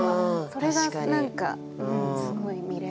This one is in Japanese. それが何かすごい見える。